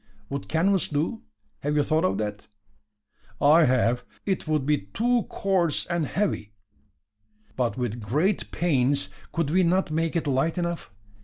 "Would canvas do? Have you thought of that?" "I have. It would be too coarse and heavy." "But, with great pains, could we not make it light enough?